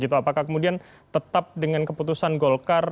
apakah kemudian tetap dengan keputusan golkar